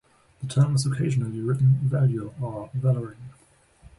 The term is occasionally written "valure" or "valoring".